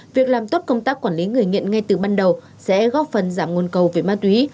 việc làm tốt công tác quản lý người nghiện ngay từ ban đầu sẽ góp phần giảm nguồn cầu về ma túy